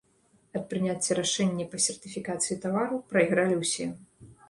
Ад прыняцця рашэння па сертыфікацыі тавару прайгралі ўсе.